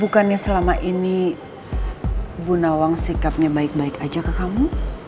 bukannya selama ini bu nawang sikapnya baik baik aja ke kamu